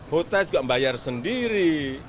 hota juga membayar sendiri